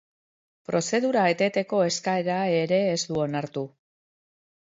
Prozedura eteteko eskaera ere ez du onartu.